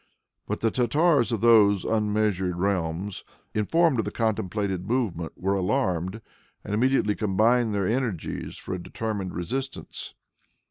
But the Tartars of those unmeasured realms, informed of the contemplated movement, were alarmed, and immediately combined their energies for a determined resistance.